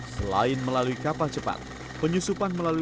sepertinya saya dilakukan tulee dari alam